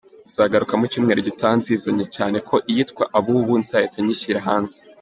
Nzagaruka mu cyumweru gitaha nzizanye cyane ko iyitwa Abubu nzahita nyishyira hanze.